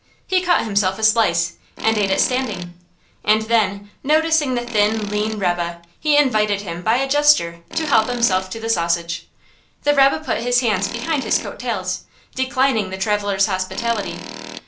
He cut himself a slice and ate it standing; and then, noticing the thin, lean rebbe, he invited him, by a gesture, to help himself to the sausage. The rebbe put his hands behind his coat tails, declining the traveller's hospitality.